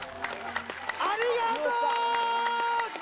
ありがとう！